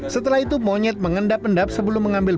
setelah itu monyet mengendap endap sebelum mengambil